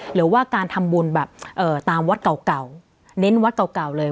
หรือว่าการทำบุญแบบเอ่อตามวัดเก่าเก่าเน้นวัดเก่าเก่าเลย